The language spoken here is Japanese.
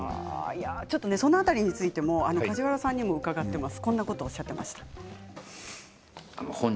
その辺りについて梶原さんに伺っています。